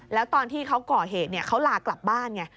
แล้วตอนที่เขาก่อเหตุเขาลากลับบ้านไง